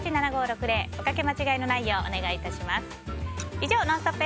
以上ＮＯＮＳＴＯＰ！